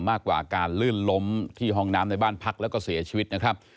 มากกว่าการลื่นล้มที่ห้องน้ำในบ้านพักแล้วก็เสียชีวิตนะครับ